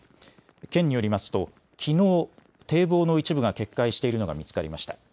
県によりますときのう堤防の一部が決壊しているのが見つかりました。